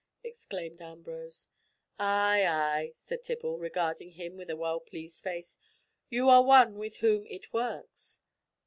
exclaimed Ambrose. "Ay, ay," said Tibble, regarding him with a well pleased face. "You are one with whom it works."